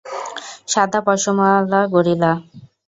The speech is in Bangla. সাদা পশমওয়ালা গরিলা!